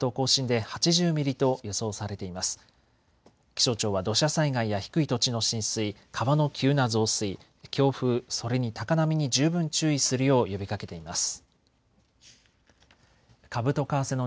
気象庁は土砂災害や低い土地の浸水、川の急な増水、強風、それに高波に十分注意するよう呼びかけています。